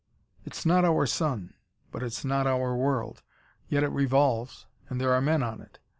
"It's not our sun.... But it's not our world. Yet it revolves, and there are men on it.